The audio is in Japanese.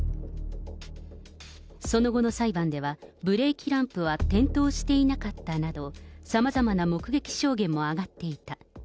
その後の裁判では、ブレーキランプは点灯していなかったなど、さまざまな目撃証言も上がっていた。